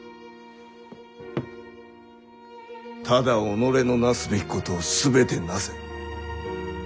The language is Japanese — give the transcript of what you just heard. ただ己のなすべきことを全てなせ。